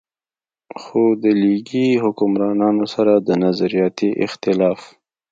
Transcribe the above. خو د ليګي حکمرانانو سره د نظرياتي اختلاف